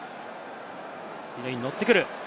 スピードに乗ってくる。